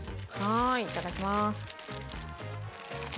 いただきます。